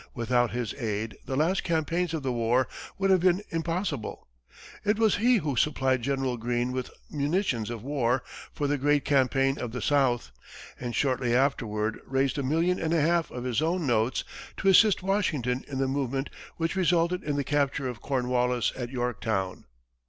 Without his aid, the last campaigns of the war would have been impossible. It was he who supplied General Green with munitions of war for the great campaign of the south, and shortly afterwards raised a million and a half on his own notes to assist Washington in the movement which resulted in the capture of Cornwallis at Yorktown.